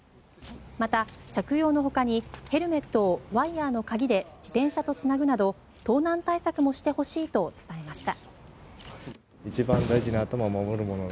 また、着用のほかにヘルメットをワイヤの鍵で自転車とつなぐなど盗難対策もしてほしいと伝えました。